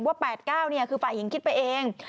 ๘๙คือฝ่ายหญิงคิดไปเอง